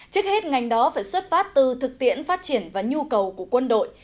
trước hết ngành đó phải xuất phát từ thực tiễn phát triển và nhu cầu của quân đội